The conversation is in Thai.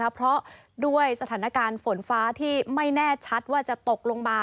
เพราะด้วยสถานการณ์ฝนฟ้าที่ไม่แน่ชัดว่าจะตกลงมา